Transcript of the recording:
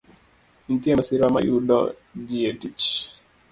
Nitie masira ma yudo ji e tich.